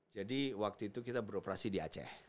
jadi waktu itu kita beroperasi di aceh